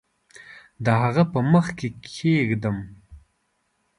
د هغه په مخ کې کښېږدم